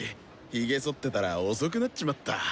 ヒゲそってたら遅くなっちまった！